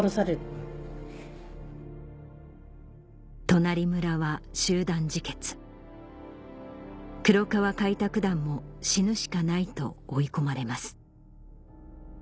隣村は集団自決黒川開拓団も死ぬしかないと追い込まれます